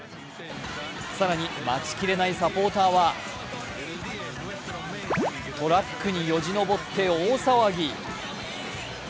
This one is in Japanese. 更に、待ちきれないサポーターはトラックによじ登って大騒ぎ。